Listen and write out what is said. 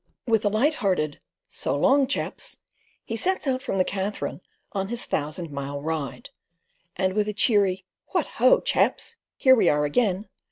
With a light hearted, "So long, chaps," he sets out from the Katherine on his thousand mile ride, and with a cheery "What ho, chaps! Here we are again!"